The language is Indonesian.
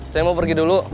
saya mau pergi dulu